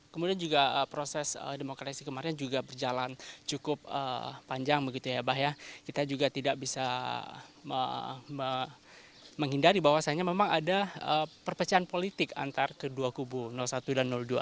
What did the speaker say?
kemudian juga proses demokrasi kemarin juga berjalan cukup panjang begitu ya bah ya kita juga tidak bisa menghindari bahwasannya memang ada perpecahan politik antara kedua kubu satu dan dua